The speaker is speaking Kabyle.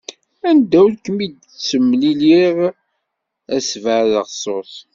Anda ur kem-id-ttemlileɣ, ad sbeɛdeɣ ṣṣut.